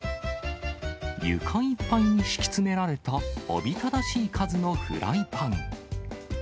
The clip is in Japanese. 床いっぱいに敷き詰められた、おびただしい数のフライパン。